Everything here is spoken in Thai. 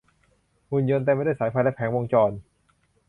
หุ่นยนต์เต็มไปด้วยสายไฟและแผงวงจร